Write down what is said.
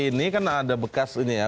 ini kan ada bekas ini ya